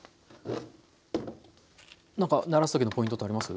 何かならすときのポイントってあります？